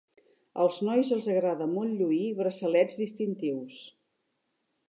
Als nois els agrada molt lluir braçalets distintius.